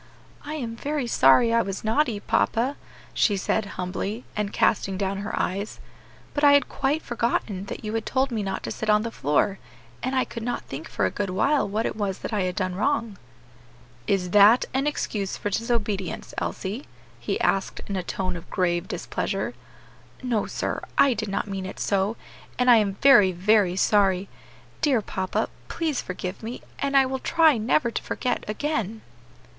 "I am very sorry I was naughty, papa," she said, humbly, and casting down her eyes, "but I had quite forgotten that you had told me not to sit on the floor, and I could not think for a good while what it was that I had done wrong." "Is that an excuse for disobedience, Elsie?" he asked in a tone of grave displeasure. "No, sir; I did not mean it so, and I am very, very sorry; dear papa, please forgive me, and I will try never to forget again."